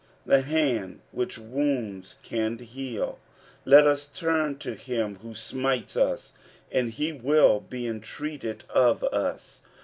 The hand which wounds can heal : let ue turn to bim who smites us, and he will t>e entreated of us.